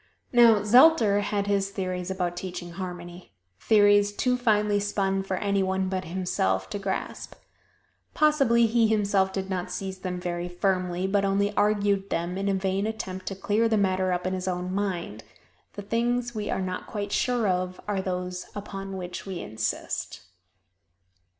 Now, Zelter had his theories about teaching harmony theories too finely spun for any one but himself to grasp. Possibly he himself did not seize them very firmly, but only argued them in a vain attempt to clear the matter up in his own mind. The things we are not quite sure of are those upon which we insist.